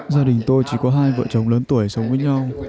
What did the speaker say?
gia đình tôi chỉ có hai vợ chồng lớn tuổi sống với nhau